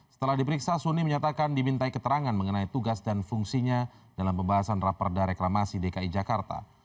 setelah diperiksa suni menyatakan dimintai keterangan mengenai tugas dan fungsinya dalam pembahasan raperda reklamasi dki jakarta